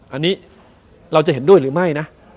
อันนี้เราจะเห็นด้วยหรือไม่นะ